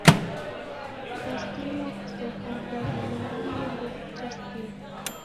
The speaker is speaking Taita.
Kukasimwa, kusefo ngolo, lomba Mlungu ukutesie